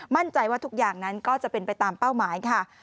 มั่นใจว่าทุกอย่างนั้นก็จะเป็นไปตามเป้าหมายค่ะ